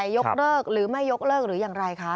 ยกเลิกหรือไม่ยกเลิกหรืออย่างไรคะ